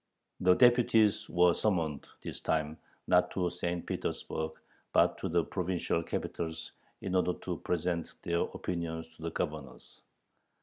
The deputies were summoned this time, not to St. Petersburg, but to the provincial capitals in order to present their opinions to the governors.